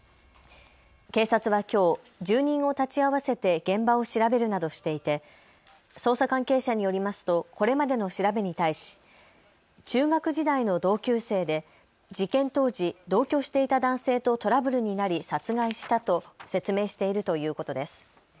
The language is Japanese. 警察はきょう住人を立ち会わせて現場を調べるなどしていて捜査関係者によりますとこれまでの調べに対し中学時代の同級生で事件当時、同居していた男性とトラブルになり殺害したと説明しているということです。